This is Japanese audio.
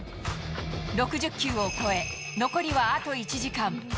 ６０球を超え、残りはあと１時間。